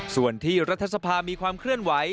ส่วนที่รัฐสภามีความเคลื่อนไหว